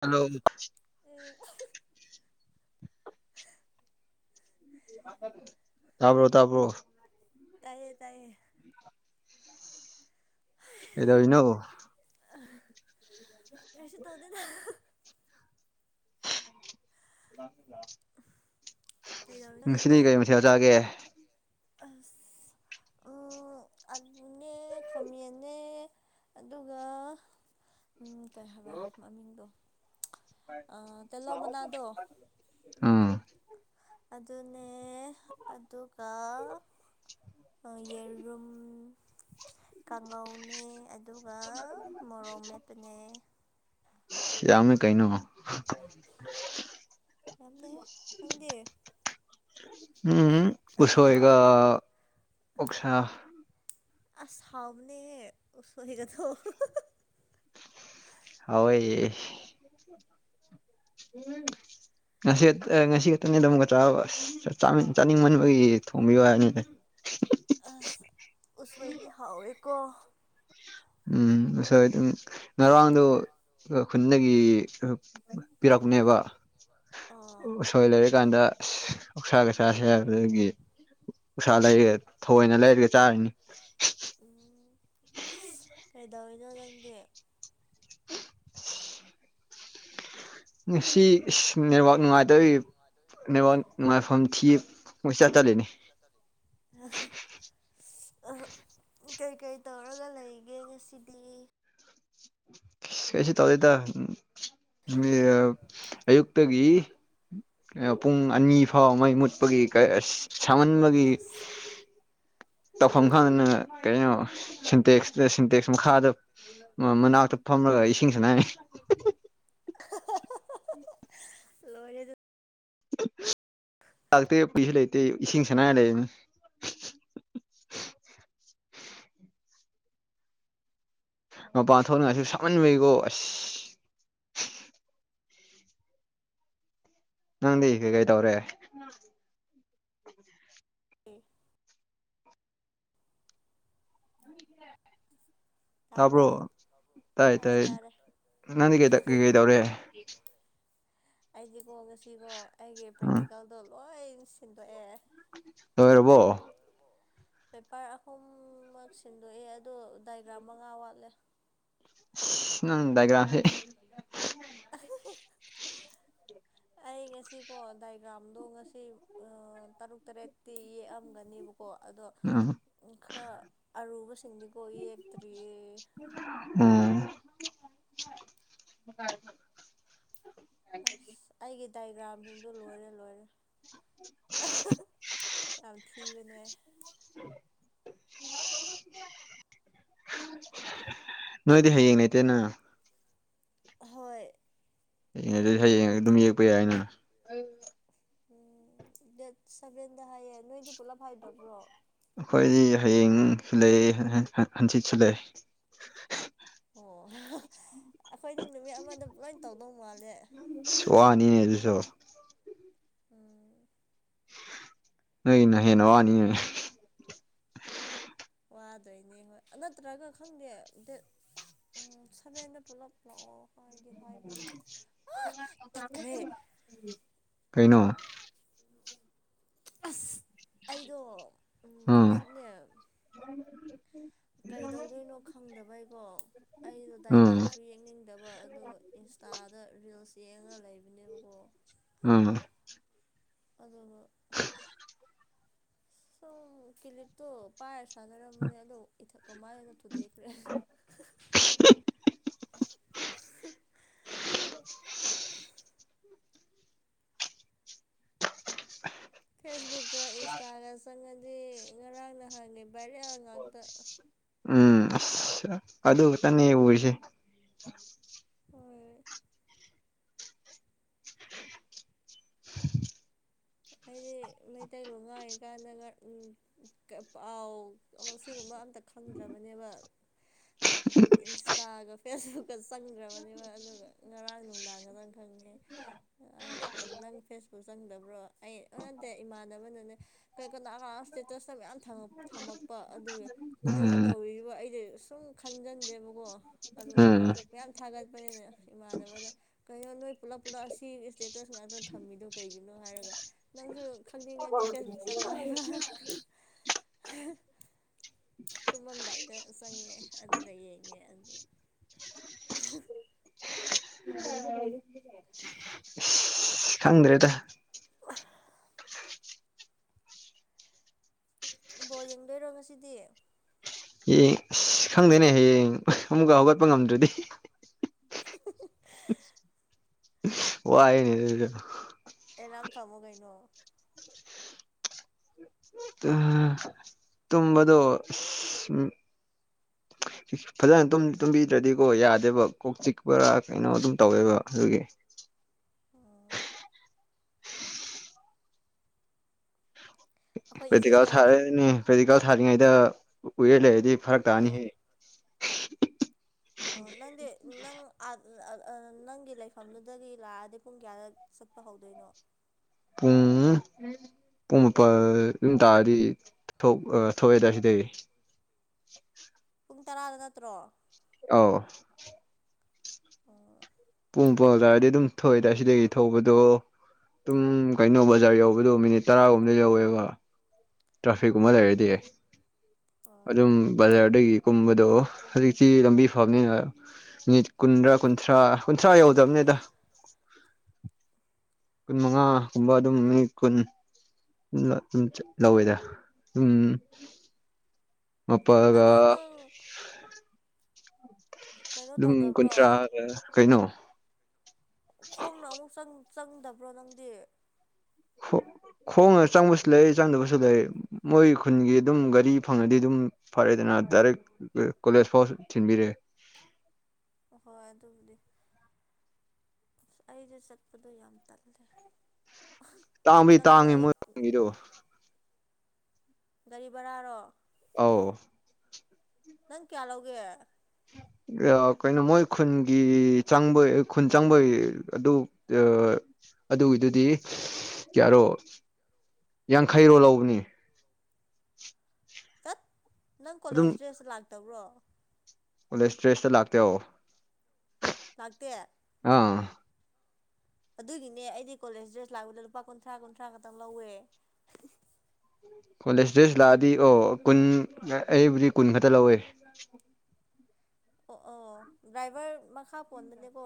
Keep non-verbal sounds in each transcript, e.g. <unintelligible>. hello ꯎꯝ ꯇꯥꯕ꯭ꯔꯣ ꯇꯥꯕ꯭ꯔꯣ ꯇꯥꯏꯌꯦ ꯇꯥꯏꯌꯦ ꯑꯦꯗꯕꯤꯅꯧ ꯀꯁꯨ ꯇꯣꯗꯗ <unintelligible> ꯀꯩꯗꯧꯔꯤꯅꯣ ꯉꯁꯤꯗꯤ ꯀꯔꯤ ꯃꯊꯤ ꯆꯥꯒꯦ ꯑꯅꯦ ꯈꯌꯥꯅꯦ <unintelligible> ꯎꯝ ꯀꯩ ꯍꯥꯏꯕ ꯃꯃꯤꯡꯗꯣ ꯑꯥ ꯇꯤꯜꯍꯧ ꯃꯅꯥꯗꯣ ꯑꯥ ꯑꯗꯨꯅꯦ ꯑꯗꯨꯒ ꯌꯦꯔꯨꯝ ꯀꯥꯡꯉꯧꯅꯦ ꯑꯗꯨꯒ ꯃꯣꯔꯣꯛ ꯃꯦꯠꯄꯅꯦ ꯌꯥꯃꯦ ꯀꯩꯅꯩꯅꯣ ꯃꯝꯅꯦ ꯑꯪꯒꯤꯦ ꯎꯝ ꯈꯨꯁꯨ ꯑꯣꯏꯌꯦꯒ ꯑꯣꯁꯥ ꯑꯁꯥꯎꯅꯦ ꯁꯍꯤꯒꯗꯣ ꯑꯑꯣꯣꯏ ꯎꯝ ꯉꯁꯤ ꯉꯁꯤ ꯈꯛꯇꯅꯤꯗ ꯑꯃꯨꯛꯀ ꯆꯥꯅꯤꯡꯃꯟꯕꯒꯤ ꯊꯣꯡꯕꯤꯌꯨ ꯍꯥꯏꯅꯤꯅꯦ ꯀ ꯎꯝ ꯅꯔ ꯋꯥꯡꯗ ꯈꯨꯟꯗꯒꯤ ꯄꯤꯔꯛꯅꯦꯕ ꯑꯥ ꯎꯁꯣꯏ ꯂꯩꯔꯤꯀꯥꯟꯗ ꯎꯛꯁꯥꯒꯩꯁꯥꯁꯦ ꯍꯥꯏꯕꯗꯒꯤ ꯎꯁꯥ ꯂꯩꯔꯒꯦ ꯊꯑꯣꯏꯅ ꯂꯩꯔꯒꯦ ꯆꯥꯔꯅꯤ ꯀꯩꯗꯧꯅꯣ ꯅꯪꯗꯤ <inaudible> ꯁꯤ ꯏꯁ ꯅꯦꯠꯋꯥꯛ ꯅꯨꯡꯉꯥꯏꯇꯧꯔꯤ ꯅꯦꯠꯋꯥꯛ ꯅꯨꯡꯉꯥꯏꯐꯝ ꯊꯤ ꯎꯁꯥ ꯆꯂꯤꯅꯤ ꯑ ꯀꯩꯀꯩ ꯇꯧꯔꯒ ꯂꯩꯒꯦ ꯉꯁꯤꯗꯤ ꯀꯩꯁꯨ ꯇꯧꯗꯦꯗ ꯑꯌꯨꯛꯇꯒꯤ ꯄꯨꯡ ꯑꯅꯤ ꯐꯥꯎ ꯃꯩ ꯃꯨꯠꯄꯒꯤ ꯀꯁ ꯁꯃꯟꯕꯒꯤ ꯑꯁ ꯇꯧꯐꯝ ꯈꯪꯗꯅ ꯀꯩꯅꯣ ꯁꯤꯟꯇꯦꯛꯁꯇ ꯁꯤꯟꯇꯦꯛꯁ ꯃꯈꯥꯗ ꯃꯅꯥꯛꯇ ꯊ ꯏꯁꯤꯡꯁꯅ ꯂꯣꯏꯔꯦ ꯑꯗꯨꯗꯤ <unintelligible> ꯂꯥꯛꯇ ꯄꯩꯁꯥ ꯂꯩꯇꯦ ꯏꯁꯤꯡ ꯁꯅꯥ ꯂꯩꯅꯤ ꯃꯄꯥꯟ ꯊꯣꯛꯅꯥꯏꯁꯨ ꯁꯝꯍꯟꯕꯩꯀꯣ ꯑꯁ ꯅꯪꯗꯤ ꯀꯩ ꯀꯩ ꯇꯧꯔꯦ ꯎ ꯇꯥꯕ꯭ꯔꯣ ꯇꯥꯏꯌꯦ ꯇꯥꯔꯦ ꯇꯥꯏꯌꯦ ꯇꯥꯔꯦ ꯅꯪꯗꯤ ꯀꯩ ꯀꯩ ꯀꯩꯗꯧꯔꯦ ꯑꯩꯗꯤꯀꯣ ꯉꯁꯤꯀꯣ ꯑꯩꯒꯤ ꯄ꯭ꯔꯦꯛꯇꯤꯀꯦꯜꯗꯣ ꯂꯣꯏ ꯁꯤꯟꯗꯣꯛꯑꯦ ꯑꯣꯏꯣꯏꯔꯕꯔꯕꯣ ꯄꯦꯄꯔ ꯑꯍꯨꯝꯃꯛ ꯁꯤꯟꯗꯣꯛꯑꯦ ꯑꯗꯣ ꯗꯥꯏꯒ꯭ꯔꯥꯝ ꯃꯉꯥ ꯋꯥꯠꯂꯦ ꯅꯪꯗꯒ꯭ꯔꯥꯃꯦꯦ ꯎ ꯌꯦ ꯉꯁꯤꯀꯣ ꯗꯥꯏꯒ꯭ꯔꯥꯝꯗꯣ ꯉꯁꯤ ꯇꯔꯨꯛ ꯇꯔꯦꯠꯇꯤ ꯌꯦꯛꯑꯝꯒꯅꯦꯕꯀꯣ ꯀꯣ ꯑꯗꯣ ꯈꯔ ꯑꯔꯨꯕꯁꯤꯡꯗꯤꯀꯣ ꯌꯦꯛꯇ꯭ꯔꯤꯌꯦ ꯎꯝ ꯑꯁ ꯑꯩꯒꯤ ꯗꯥꯏꯒ꯭ꯔꯥꯝꯁꯤꯡꯗꯨ ꯂꯣꯏꯔꯦ ꯂꯣꯏꯔꯦ ꯌꯥꯝ ꯊꯤꯕꯅꯦ <inaudible> ꯅꯣꯏꯗꯤ ꯍꯌꯦꯡ ꯅꯇꯦꯅ ꯍꯣꯏ ꯍꯉ ꯑꯗꯨꯗꯤ ꯍꯌꯦꯡ ꯑꯗꯨꯝ ꯌꯦꯛꯄ ꯌꯥꯏ ꯑꯩꯅꯅ ꯎꯝ ꯗꯦꯠ ꯁꯚꯦꯟꯗ ꯍꯥꯏꯌꯦ ꯅꯣꯏꯗꯤ ꯄꯨꯂꯞ ꯍꯥꯏꯗꯕ꯭ꯔꯣ ꯑꯩꯈꯣꯏꯗꯤ ꯍꯌꯦꯡꯁꯨ ꯂꯩ ꯍꯪꯆꯤꯠꯁꯨ ꯂꯩ ꯑꯣ ꯑꯩꯈꯣꯏꯗꯤ ꯅꯨꯃꯤꯠ ꯑꯃꯗ ꯂꯣꯏ ꯇꯧꯗꯧ ꯃꯥꯜꯂꯦ ꯁꯣꯍꯅꯤꯅꯦ ꯑꯗꯨꯁꯨꯣ ꯎꯝ ꯅ ꯅ ꯍꯦꯅ ꯋꯥꯅꯤ ꯋꯥꯗꯣꯏꯅꯦ ꯍꯣꯏ ꯅꯠꯇ꯭ꯔꯒ ꯈꯪꯗꯦ ꯎꯝ ꯁꯞꯑꯣꯗꯤꯕꯨ ꯀꯩꯅꯩꯅꯣ ꯑꯁ ꯑꯩꯗꯣ ꯍꯧꯖꯤꯛꯅꯦ ꯑꯗꯨ ꯀꯩꯗꯧꯗꯣꯏꯅꯣ ꯈꯪꯗꯕꯩꯀꯣ ꯑꯩꯗꯣ ꯎꯝ ꯗꯥꯏꯒ꯭ꯔꯥꯝꯁꯨ ꯌꯦꯡꯅꯤꯡꯗꯕ ꯑꯗꯨꯒ ꯏꯟꯁꯇꯥ ꯑꯥꯗ ꯔꯤꯜꯁ ꯌꯦꯡꯉ ꯂꯩꯕꯅꯦꯕꯀꯣ ꯎꯝ ꯑꯗꯨ ꯁꯨꯝ ꯀꯤꯂꯤꯠꯇꯣ ꯄꯥꯏꯔ ꯁꯥꯟꯅꯔꯝꯕꯅꯦ ꯑꯗꯣ ꯏꯊꯛꯀ ꯃꯥꯅꯅ ꯈꯨꯗꯒꯦ <unintelligible> <inaudible> <inaudible> ꯐꯦꯁꯕꯨꯛ ꯏꯟꯁꯇꯥꯒ꯭ꯔ ꯁ ꯑꯗꯨ ꯉꯔꯥꯡ ꯅꯍꯥꯟꯅꯦ ꯚꯥꯏꯔꯌꯥ ꯉꯥꯛꯇ ꯎꯝ ꯑꯁ ꯑꯗꯨ ꯈꯛꯇꯅꯦ ꯎꯔꯤꯁꯦ ꯍꯣꯏ <unintelligible> ꯑꯩꯗꯤ ꯃꯩꯇꯩꯂꯣꯟ ꯉꯥꯡꯉ ꯀꯥꯟꯗꯒ ꯄꯥꯎ ꯀ ꯁꯤꯒꯨꯝꯕ ꯑ ꯈꯪꯗ꯭ꯔꯕꯅꯦꯕ ꯏꯟꯁꯇꯥꯒ ꯐꯦꯁꯕꯨꯛꯀ ꯆꯪꯈ꯭ꯔꯕꯅꯦꯕ ꯑꯗꯨꯒ ꯉꯔꯥꯡ ꯅꯨꯡꯗꯥꯡꯒꯗꯪ ꯍꯪꯉꯦ ꯑ ꯅꯪ ꯐꯦꯁꯕꯨꯛ ꯆꯪꯗꯕ꯭ꯔꯣ ꯑꯩ ꯅꯠꯇꯦ ꯏꯃꯥꯟꯅꯕꯅꯅꯦ ꯀꯩ ꯀꯅꯥ ꯀꯅꯥ ꯏꯁꯇꯦꯇꯁꯇ ꯃꯌꯥꯝ ꯊꯝꯃꯛꯄ ꯑꯗꯨꯒ ꯀꯩꯅꯣ ꯎꯝ ꯇꯧꯔꯤꯕ ꯑꯩꯗꯤ ꯁꯨꯝ ꯈꯟꯖꯟꯗꯦꯕ ꯀꯣ ꯑꯗꯨꯒ ꯎꯝ ꯃꯌꯥꯝ ꯊꯥꯒꯠꯄꯅꯤꯅ ꯏꯃꯥꯟꯅꯕꯗ ꯀꯩꯅꯣ ꯅꯣꯏ ꯄꯨꯂꯞ ꯄꯨꯂ ꯑꯁꯤ ꯏꯁꯇꯦꯇꯁ ꯉꯥꯛꯇ ꯊꯝꯃꯤꯗꯨꯣ ꯀꯩꯒꯤꯅꯣ ꯍꯥꯏꯔꯒ ꯅꯪꯁꯨ ꯈꯪꯅꯤꯡꯉꯗꯤ ꯐꯦꯁꯕꯨꯛ ꯆꯉ ꯍꯥꯏꯕ ꯇꯨꯝꯃꯝꯗꯥꯏꯗ ꯆꯪꯉꯦ ꯑꯗꯨꯒ ꯌꯦꯡꯉꯦ ꯑꯗꯨ <inaudible> ꯈꯪꯗ꯭ꯔꯦꯗ ꯕꯣ ꯌꯦꯡꯗꯣꯏꯔꯣ ꯉꯁꯤꯗꯤ ꯍ ꯑꯁ ꯈꯪꯗꯦꯅꯦ ꯍꯌꯦꯡ ꯑꯃꯨꯛꯀ ꯍꯧꯒꯠꯄ ꯉꯝꯗ꯭ꯔꯗꯤ ꯋꯥꯏꯅꯤ ꯅꯥꯝ ꯊꯃꯣꯒꯥꯏꯅꯣ ꯑ ꯇꯨꯝꯝꯕꯗꯨꯣ ꯐꯖꯅ ꯇꯨꯝꯕꯤꯗ꯭ꯔꯗꯤꯀꯣ ꯌꯥꯗꯦꯕ ꯀꯣꯛ ꯆꯤꯛꯄꯔꯥ ꯀꯩꯅꯣ ꯑꯗꯨꯝ ꯇꯧꯋꯦꯕ ꯑꯗꯨꯒꯤ <unintelligible> ꯑꯣ ꯑꯩꯈꯣꯏ ꯄꯦꯛꯇꯤꯀꯥ ꯏꯆꯦꯗꯣ ꯊꯥꯔꯅꯦ ꯄ꯭ꯔꯦꯛꯇꯤꯀꯥ ꯊꯥꯔꯤꯉꯩꯗ ꯎꯏꯔ ꯂꯩ ꯗꯤ ꯐꯔꯛ ꯇꯥꯅꯤ ꯑꯣ ꯍꯦ ꯑꯣ ꯅꯪꯗꯤ ꯅꯪ ꯅꯪꯒꯤ ꯂꯩꯐꯝꯗꯨꯗꯒꯤ ꯂꯥꯛꯑꯗꯤ ꯄꯨꯡ ꯀꯌꯥꯗꯛ ꯆꯠꯄ ꯍꯧꯗꯣꯏꯅꯣ ꯎꯝ ꯄꯨꯡ ꯃꯥꯄꯜ ꯌꯨꯝ ꯇꯥꯔꯗꯤ ꯊꯣꯛꯑꯦꯗꯥꯏ ꯁꯤꯗꯗꯒꯤ ꯄꯨꯡ ꯇꯔꯥꯗ ꯅꯠꯇ꯭ꯔꯣ ꯑ ꯑꯣ ꯄꯨꯡ ꯄꯥꯎꯇꯥꯔꯗꯤ ꯑꯗꯨꯝ ꯊꯣꯛꯑꯦꯗꯥꯏ ꯁꯤꯗꯒꯤ ꯊꯣꯛꯧꯕꯗꯣ ꯑꯗꯨꯝ ꯀꯩꯅꯣ ꯕꯖꯥꯔ ꯌꯧꯕꯗꯣ ꯃꯤꯅꯤꯠ ꯇꯔꯥꯒꯨꯝꯗ ꯌꯧꯋꯦꯕ ꯇ꯭ꯔꯥꯐꯤꯛꯀꯨꯝꯕ ꯎꯝ ꯂꯩꯔꯗꯤ ꯌꯥꯏ ꯑꯣ ꯑꯗꯨꯝ ꯕꯖꯥꯔꯗꯒꯤ ꯀꯨꯝꯕꯗꯣ ꯍꯧꯖꯤꯛꯇꯤ ꯂꯝꯕꯤ ꯐꯕꯅꯤꯅ ꯃꯤꯅꯤꯠ ꯀꯨꯟꯗ꯭ꯔꯥ ꯀꯨꯟꯊ꯭ꯔꯥ ꯀꯨꯟꯊ꯭ꯔꯥ ꯌꯧꯗ꯭ꯔꯕꯅꯤꯗ ꯀꯨꯟ ꯃꯉꯥꯒꯨꯝꯕ ꯑꯗꯨꯝ ꯃꯤ ꯀꯨꯟ ꯂꯧꯋꯤꯗ ꯎꯝ ꯃꯄꯒ ꯑꯗꯣ ꯅꯪ ꯀꯩꯅꯣ ꯑꯗꯨꯝ ꯇꯧꯗꯕ꯭ꯔꯣ ꯀꯨꯟꯊ꯭ꯔꯥ ꯀꯩꯅꯣ ꯈꯣꯡꯅ ꯑꯃꯨꯛ ꯆꯪꯗꯕ꯭ꯔꯣ ꯅꯪꯗꯤ ꯍ ꯈꯣꯡꯉ ꯆꯪꯕꯁꯨ ꯂꯩ ꯆꯪꯗꯕꯁꯨ ꯂꯩ ꯃꯣꯏ ꯈꯨꯟꯒꯤ ꯑꯗꯨꯝ ꯒꯥꯔꯤ ꯐꯪꯉꯗꯤ ꯑꯗꯨꯝ ꯐꯔꯦꯗꯅ ꯗꯥꯏꯔꯦꯛ ꯀꯣꯂꯦꯖ ꯐꯥꯎ ꯊꯤꯟꯕꯤꯔꯛꯑꯦ ꯍꯣꯏ ꯑꯗꯨꯕꯨꯗꯤ ꯑ ꯑꯩꯁꯨꯦ ꯆꯠꯄꯗꯣ ꯌꯥꯝ ꯇꯜꯂꯦ ꯇꯥꯡꯕꯩ ꯅꯪꯁꯨ ꯇꯥꯡꯉꯤ ꯑꯩ ꯃꯣꯏꯥꯡꯔꯣ ꯒꯥꯔꯤ ꯕꯔꯥꯔꯣ ꯑ ꯅꯪ ꯀꯌꯥꯂꯒ ꯀꯩꯅꯣ ꯃꯣꯏ ꯈꯨꯟꯒꯤ ꯆꯪꯕꯩ ꯈꯨꯟ ꯆꯪꯕꯩ ꯑꯗꯨ ꯑꯗꯨꯒꯤꯗꯨꯗꯤ ꯀꯌꯥꯔꯣ ꯌꯥꯡꯈꯩꯔꯣ ꯂꯧꯕꯅꯤ ꯆꯠ ꯅꯪ ꯀꯣꯂꯦꯖ ꯗ꯭ꯔꯦꯁꯇ ꯂꯥꯛꯇꯕ꯭ꯔꯣ ꯄꯨꯂꯤꯁ ꯇ꯭ꯔꯦꯁꯇ ꯂꯥꯛꯇꯦꯧ ꯂꯥꯛꯇꯦ ꯑꯥ ꯑꯗꯨꯒꯤꯅꯦ ꯑꯩꯗꯤ ꯀꯣꯂꯦꯖ ꯗ꯭ꯔꯦꯁ ꯂꯥꯛꯄꯗ ꯂꯨꯄꯥ ꯀꯨꯟꯊ꯭ꯔꯥ ꯀꯨꯟꯊ꯭ꯔꯥ ꯈꯛꯇꯪ ꯂꯧꯋꯦ ꯀꯣꯂꯦꯖ ꯗ꯭ꯔꯦꯁ ꯂꯥꯛꯑꯗꯤ ꯑꯣ ꯀꯨꯟ ꯑꯩꯕꯨꯗꯤ ꯀꯨꯟ ꯈꯛꯇ ꯂꯧꯋꯦ ꯑꯣ ꯑꯣ ꯗ꯭ꯔꯥꯏꯚꯔ ꯃꯈꯥ ꯄꯣꯟꯕꯅꯦꯀꯣ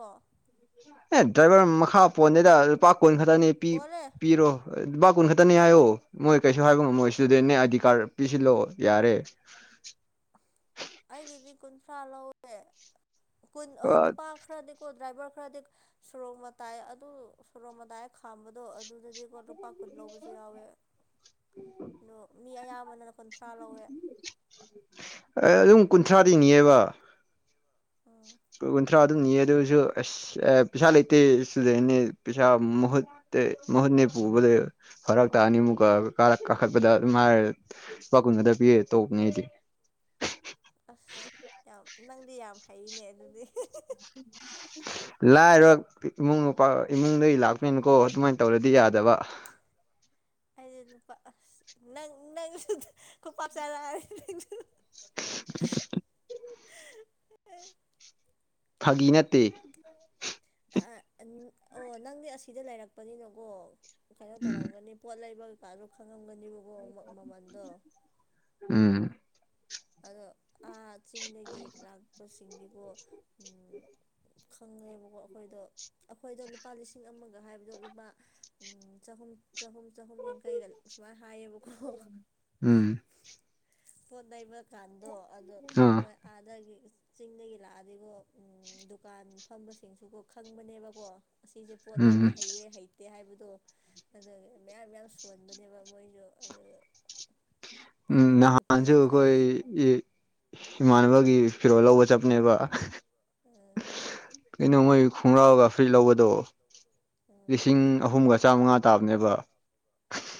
ꯑꯦ ꯗ꯭ꯔꯥꯏꯚꯔ ꯃꯈꯥ ꯐꯣꯟꯗꯩꯗ ꯂꯨꯄꯥ ꯀꯨꯟ ꯈꯛꯇꯅꯤ ꯄꯣꯜꯂꯦ ꯄꯤꯔꯣ ꯂꯨꯄꯥ ꯀꯨꯟ ꯈꯛꯇꯅꯤ ꯍꯥꯏꯌꯣ ꯃꯣꯏ ꯀꯩꯁꯨ ꯍꯥꯏꯕ ꯉꯝꯃꯣꯏ ꯁꯤꯗꯅꯦ ꯑꯥꯏꯗꯤ ꯀꯥꯔꯗ ꯄꯤꯁꯤꯜꯂꯑꯣ ꯌꯥꯔꯦ <inaudible> ꯑꯩꯒꯤꯗꯤ ꯀꯨꯟꯊ꯭ꯔꯥ ꯂꯧꯋꯦ ꯀꯨꯟ ꯑꯣ ꯅꯨꯄꯥ ꯈꯔꯗꯤꯀꯣ ꯗ꯭ꯔꯥꯏꯚꯔ ꯈꯔꯗꯤ ꯁꯣꯔꯣꯛ ꯃꯇꯥꯏ ꯑꯗꯨ ꯁꯣꯔꯣꯛ ꯃꯇꯥꯏ ꯈꯥꯝꯕꯗꯣ ꯑꯗꯨꯗꯗꯤꯀꯣ ꯂꯨꯄꯥ ꯀꯨꯟ ꯂꯧꯕꯁꯨ ꯌꯥꯎꯋꯦ ꯑꯗꯣ ꯃꯤ ꯑꯌꯥꯝꯕꯅꯅ ꯀꯨꯟꯊ꯭ꯔꯥ ꯂꯧꯋꯦ ꯀꯨꯟꯊ꯭ꯔꯥꯗꯤꯅꯤꯑꯕ ꯎꯝ ꯀꯨꯟꯊ꯭ꯔꯥ ꯑꯗꯨꯝ ꯅꯤ ꯑꯗꯨꯁꯨ ꯑꯁ ꯄꯩꯁꯥ ꯂꯩꯇꯦ ꯏꯁꯇꯨꯗꯦꯅꯤ ꯄꯩꯁꯥ ꯃꯍꯨꯠ ꯃꯍꯨꯠꯅꯤ ꯄꯨꯕꯗ ꯐꯔꯛꯛꯇꯅꯤꯃꯨꯀ ꯀꯥꯔꯛ ꯀꯥꯈꯠꯄꯗ ꯃꯥ ꯐꯪꯒꯗꯕꯤ ꯇꯧꯕꯅꯦꯗꯤ ꯑꯁ ꯌꯥꯝ ꯅꯪꯗꯤ ꯌꯥꯝ ꯍꯩꯅꯦ ꯑꯗꯨꯗꯤ ꯂꯥꯏꯔ ꯏꯃꯨꯡ ꯅꯨꯄꯥ ꯏꯃꯨꯡꯗꯒꯤ ꯂꯥꯛꯄꯅꯀꯣ ꯑꯗꯨꯃꯥꯏꯅ ꯇꯧꯔꯗꯤ ꯌꯥꯗꯕ ꯑꯩꯗꯤ ꯂꯨꯄꯥ ꯅꯪ ꯅꯪꯁꯨ ꯈꯨ ꯆꯥꯔꯛꯑꯦ <inaudible> ꯐꯥꯒꯤ ꯅꯠꯇꯦ ꯑ ꯑꯣ ꯅꯪꯗꯤ ꯑꯁꯤꯗ ꯂꯩꯔꯛꯄꯅꯤꯅꯀꯣ ꯀꯩꯅꯣ ꯎꯝ ꯇꯧꯔꯝꯒꯅꯤ ꯄꯣꯠ ꯂꯩꯕ ꯀꯥꯁꯨ ꯎꯝ ꯑꯗꯣ ꯑꯥ ꯆꯤꯡꯗꯒꯤ ꯂꯥꯛꯄꯁꯤꯡꯗꯤꯀꯣ ꯐꯪꯉꯦꯕꯀꯣ ꯑꯩꯈꯣꯏꯗꯣ ꯑꯩꯈꯣꯏꯗꯣ ꯂꯨꯄꯥ ꯂꯤꯁꯤꯡ ꯑꯃꯒ ꯍꯥꯏꯕꯗꯣ ꯂꯨꯄꯥ ꯆꯍꯨꯝ ꯆꯍꯨꯝ ꯆꯍꯨꯝ ꯌꯥꯡꯈꯩꯗ ꯁꯨꯃꯥꯏꯅ ꯍꯥꯏꯌꯦꯕꯀꯣ ꯎꯝ ꯄꯣꯠ ꯅꯩꯕ ꯀꯥꯟꯗꯣ ꯑꯗꯣ ꯑꯥ ꯍꯣꯏ ꯑꯥꯗꯒꯤ ꯆꯤꯡꯗꯒꯤ ꯂꯥꯛꯑꯗꯤꯕꯣ ꯎ ꯗꯨꯀꯥꯟ ꯐꯝꯕꯁꯤꯡꯁꯨꯒꯣ ꯈꯪꯕꯅꯦꯕꯀꯣ ꯑꯁꯤꯁꯦ ꯄꯣꯠ ꯎꯝ ꯂꯩꯕ ꯍꯩꯌꯦ ꯍꯩꯇꯦ ꯍꯥꯏꯕꯗꯣ ꯑ ꯃꯌꯥꯝ ꯌꯥꯝ ꯁꯣꯟꯕꯅꯦꯕ ꯃꯣꯏꯁꯨ ꯑꯗꯨ ꯇꯧꯅꯦ ꯅꯥꯟꯁꯨ ꯑꯩꯈꯣꯏ ꯏꯃꯥꯟꯅꯕꯒꯤ ꯐꯤꯔꯣꯜ ꯂꯧꯕ ꯆꯞꯅꯦꯕ ꯎꯝ ꯀꯩꯅꯩꯅꯣ ꯃꯣꯏ ꯈꯨꯔꯥꯒ ꯐꯔꯤ ꯂꯧꯧꯕꯕꯗꯣ ꯎꯝ ꯂꯤꯁꯤꯡ ꯑꯍꯨꯝꯒ ꯆꯥꯝꯃꯉꯥ ꯇꯥꯕꯅꯦꯕ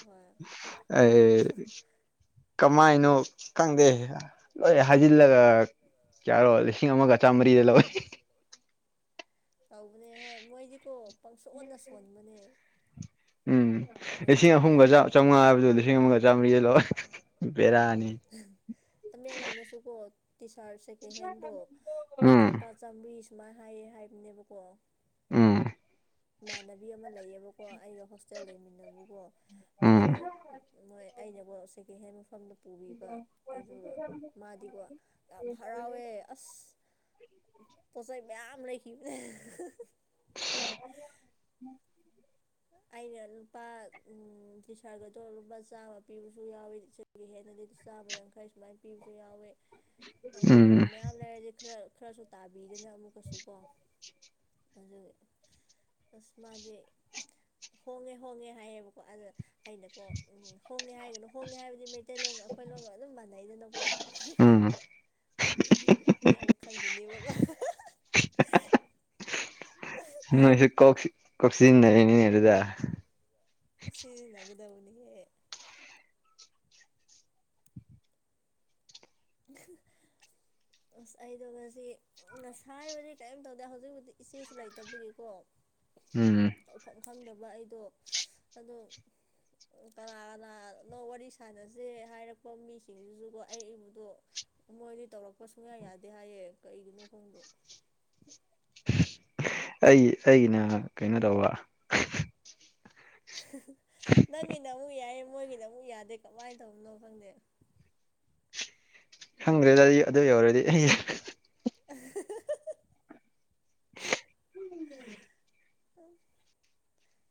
ꯍꯣꯏ ꯑꯩ ꯀꯃꯥꯏꯅꯣ ꯈꯪꯗꯦ ꯍꯣꯏ ꯍꯥꯏꯖꯤꯜꯂꯒ ꯀꯌꯔꯣ ꯂꯤꯁꯤꯪ ꯑꯃꯒ ꯑꯆꯥ ꯃꯔꯤꯗꯦꯂꯕ ꯇꯧꯕꯅꯦ ꯍꯣꯏ ꯃꯣꯏꯗꯤꯀꯣ ꯄꯪꯁꯣꯟꯅ ꯁꯣꯟꯕꯅꯦ ꯎꯝ ꯂꯤꯁꯤꯡ ꯃꯃꯟꯗꯣ ꯑꯍꯨꯝꯒ ꯆꯥꯝꯃꯉꯥ ꯍꯥꯏꯕꯗꯣ ꯂꯤꯁꯤꯡ ꯑꯃꯒ ꯆꯥꯝꯃꯔꯤ ꯂꯧ ꯇꯃꯦꯡꯂꯣꯡꯗꯁꯨ ꯀꯣ ꯁꯥꯔ ꯁꯦꯀꯦꯟ ꯍꯦꯟꯗꯣ ꯎꯝ ꯂꯨꯄꯥ ꯆꯥꯃꯔꯤ ꯁꯨꯃꯥꯏꯅ ꯍꯥꯏꯌꯦ ꯍꯥꯏꯕꯅꯦꯕꯀꯣ ꯑꯝ ꯏꯃꯥꯟꯅꯕꯤ ꯑꯃ ꯂꯩꯌꯦꯕꯀꯣ ꯑꯩꯒ ꯍꯣꯁꯇꯦꯜ ꯂꯩꯃꯤꯟꯅꯕꯀꯣ ꯑꯝ ꯑꯗꯣ ꯃꯣꯏ ꯑꯩꯅꯀꯣ ꯁꯦꯀꯦꯟ ꯍꯦꯟ ꯃꯐꯝꯗ ꯄꯨꯕꯤꯕ ꯑꯗꯨꯒ ꯃꯥꯗꯤꯀꯣ ꯌꯥꯝ ꯍꯔꯥꯎꯋꯦ ꯑꯁ ꯄꯣꯠꯆꯩ ꯃꯌꯥꯝ ꯂꯩꯈꯤꯕꯅꯦ <unintelligible> <unintelligible> ꯑꯩꯅ ꯂꯨꯄꯥ ꯎꯝ ꯁꯥꯔꯠꯀꯗꯣ ꯂꯨꯄꯥ ꯆꯥꯝꯃ ꯄꯤꯕꯁꯨ ꯌꯥꯎꯋꯤ ꯇꯔꯠ ꯍꯦꯟꯅꯗꯤ ꯆꯥꯝꯃ ꯌꯥꯡꯈꯩ ꯁꯨꯃꯥꯏꯅ ꯄꯤꯕꯁꯨ ꯌꯥꯎꯋꯦ ꯑꯗ ꯎꯝ ꯃꯌꯥꯝ ꯂꯩꯔꯗꯤ ꯈꯔ ꯈꯔꯁꯨ ꯇꯥꯕꯤꯒꯅ ꯑꯃꯨꯛꯀꯁꯨ ꯀꯣ ꯑꯗꯨ ꯑꯁꯃꯗꯤꯦ ꯍꯣꯡꯉꯦ ꯍꯣꯡꯉꯦ ꯍꯥꯏꯌꯦꯕꯀꯣ ꯑꯗ ꯑꯩꯅꯀꯣ ꯎꯝ ꯍꯣꯡꯅꯤ ꯍꯥꯏꯒꯅꯨ ꯍꯣꯡꯅꯤ ꯍꯥꯏꯕꯗꯤ ꯃꯩꯇꯩꯂꯣꯟꯣꯡꯒ ꯑꯩꯈꯣꯏ ꯂꯣꯒ ꯑꯗꯨꯝ ꯃꯥꯟꯅꯩꯗꯅꯀꯣ ꯎꯝ ꯃꯤ ꯑꯃꯨꯛ ꯈꯪꯈꯤꯅꯦꯕꯀꯣ ꯅꯣꯏꯁꯨ ꯀꯣꯛ ꯀꯁꯤ ꯅꯦ ꯅꯤꯅꯦ ꯑꯗꯨꯗꯤ ꯁꯤ ꯅꯒꯗꯕꯅꯤꯍꯦ <unintelligible> ꯑꯁ ꯑꯩꯗꯣ ꯉ ꯉꯁꯥꯏ ꯍꯥꯏꯕꯗꯤ ꯀꯔꯤꯝ ꯇꯧꯗꯦ ꯍꯧꯖꯤꯛꯕꯨꯖꯤꯤ ꯏꯆꯦꯁꯨ ꯂꯩꯇꯕꯒꯤꯀꯣ ꯎꯝ ꯇꯧꯐꯝ ꯈꯪꯗꯕ ꯑꯩꯗꯣ ꯑꯗꯣ ꯀꯅꯥ ꯀꯅꯥꯅꯣ ꯋꯥꯔꯤ ꯁꯥꯟꯅꯁꯦ ꯍꯥꯏꯔꯛꯄ ꯃꯤꯁꯤꯡꯗꯨꯁꯨꯀꯣ ꯑꯩ ꯏꯕꯗꯣ ꯃꯣꯏꯗꯤ ꯇꯧꯔꯛꯄ ꯁꯨꯡꯌꯥ ꯌꯥꯗꯦ ꯍꯥꯏꯌꯦ ꯀꯩꯒꯤꯅꯣ ꯈꯪꯗꯦ ꯑꯩꯒꯤ ꯑꯩꯒꯤꯅ ꯀꯩꯅꯣ ꯇꯧꯕ ꯅꯪꯒꯤꯅ ꯑꯃꯨꯛ ꯌꯥꯏꯌꯦ ꯃꯣꯏꯒꯤꯅ ꯑꯃꯨꯛ ꯌꯥꯗꯦ ꯀꯃꯥꯏꯅ ꯇꯧꯕꯅꯣ ꯈꯪꯗꯦ ꯍꯪ꯭ꯔꯦꯗꯗꯤ ꯑꯗꯨ ꯌꯎꯔꯗꯤ ꯑꯩ <unintelligible> <unintelligible>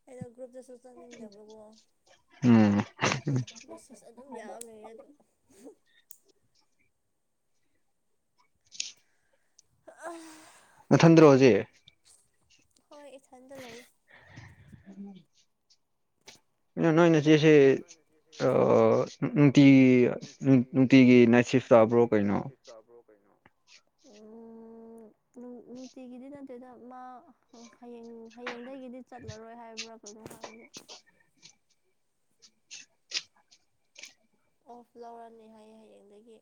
ꯑꯩꯅ ꯒ꯭ꯔꯨꯞꯇꯁꯨ ꯆꯪꯅꯤꯡꯗꯕꯀꯣ ꯎꯝ ꯃꯦꯁꯦꯁ ꯑꯗꯨꯝ ꯌꯥꯝꯃꯦ ꯑ <unintelligible> ꯃꯊꯟꯗ꯭ꯔꯣ ꯍꯧꯖꯤꯛ ꯍꯣꯏ ꯏꯊꯟꯗ ꯂꯩ ꯎꯝ ꯀꯔꯤꯅꯣ ꯅꯣꯏ ꯅꯆꯦꯁꯦ ꯅꯨꯡꯇꯤꯒꯤ ꯅꯨꯡꯇꯤꯒꯤ ꯅꯥꯏꯠꯁꯤꯞ ꯇꯥꯕ꯭ꯔꯣ ꯀꯩꯅꯣ ꯎꯝ <unintelligible> ꯅꯨꯡꯇꯤꯒꯤꯗꯤ ꯅꯠꯇꯣꯏꯗ ꯃꯥ ꯍꯌꯦꯡ ꯍꯌꯦꯡꯗꯒꯤꯗꯤ ꯆꯠꯂꯔꯣꯏ ꯍꯥꯏꯕ꯭ꯔꯥ ꯀꯩꯅꯣ ꯍꯥꯏꯕꯅꯦ <unintelligible> ꯑꯣꯐ ꯂꯧꯔꯅꯤ ꯍꯥꯏꯌꯦ ꯍꯌꯦꯡꯗꯒꯤ